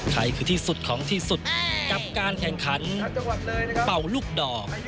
ใครคือที่สุดของที่สุดกับการแข่งขันเป่าลูกดอก